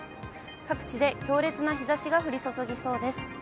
各地で強烈な日ざしが降り注ぎそうです。